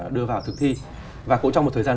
đưa vào thực thi và cũng trong một thời gian